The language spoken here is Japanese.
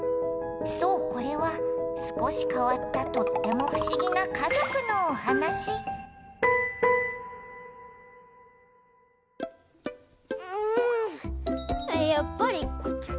そうこれはすこしかわったとってもふしぎなかぞくのおはなしうんやっぱりこっちかなぁ？